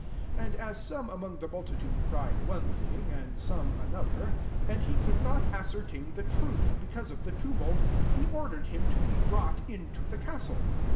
34 And as some among the multitude cried one thing, and some another, and he could not ascertain the truth, because of the tumult, he ordered him to be brought into the castle.